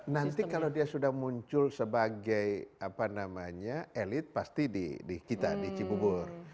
nanti kalau dia sudah muncul sebagai elit pasti di kita di cibubur